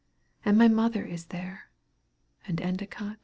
and my mother is there, and Endicott.